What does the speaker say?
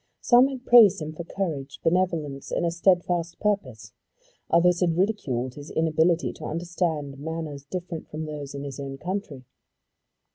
Some had praised him for courage, benevolence, and a steadfast purpose. Others had ridiculed his inability to understand manners different from those of his own country.